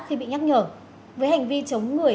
khi bị nhắc nhở với hành vi chống người